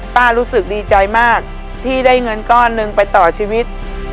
รู้สึกดีใจมากที่ได้เงินก้อนหนึ่งไปต่อชีวิต